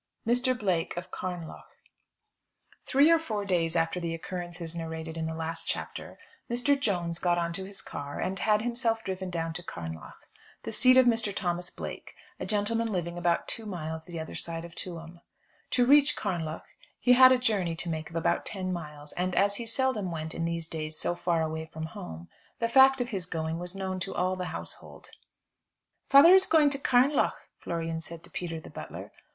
MR. BLAKE OF CARNLOUGH. Three or four days after the occurrences narrated in the last chapter, Mr. Jones got on to his car and had himself driven down to Carnlough, the seat of Mr. Thomas Blake, a gentleman living about two miles the other side of Tuam. To reach Carnlough he had a journey to make of about ten miles, and as he seldom went, in these days, so far away from home, the fact of his going was known to all the household. "Father is going to Carnlough," Florian said to Peter, the butler.